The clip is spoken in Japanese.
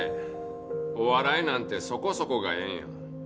お笑いなんてそこそこがええんや。